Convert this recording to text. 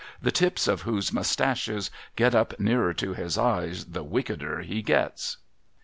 the tips of whose moustaches get up nearer to his eyes the wickeder he gets.'